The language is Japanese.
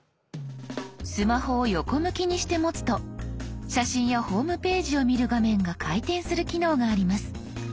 スマホを横向きにして持つと写真やホームページを見る画面が回転する機能があります。